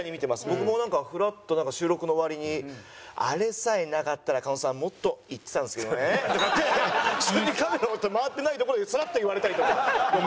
僕もなんかフラッと収録の終わりに「あれさえなかったら狩野さんもっといってたんですけどね」って普通にカメラホントに回ってないところでサラッと言われたりとか。